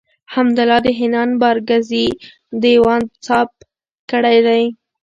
حمدالله د حنان بارکزي دېوان څاپ کړی دﺉ.